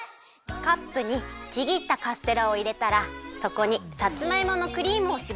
カップにちぎったカステラをいれたらそこにさつまいものクリームをしぼります。